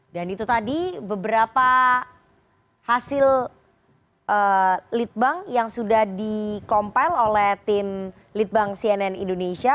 dan itu tadi beberapa hasil lead bank yang sudah di compile oleh tim lead bank cnn indonesia